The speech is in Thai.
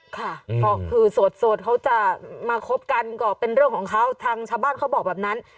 ค่ะก็คือโสดเขาจะมาคบกันก็เป็นเรื่องของเขาทางชาวบ้านเขาบอกแบบนั้น